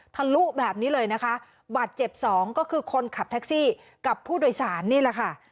ทะลุแบบนี้เลยนะคะบาดเจ็บสองก็คือคนขับแท็กซี่กับผู้โดยสารนี่แหละค่ะ